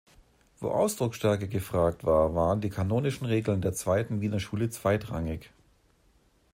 Wo Ausdrucksstärke gefragt war, waren die kanonischen Regeln der Zweiten Wiener Schule zweitrangig.